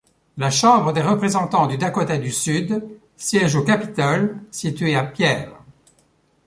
La chambre des représentants du Dakota du Sud siège au Capitole situé à Pierre.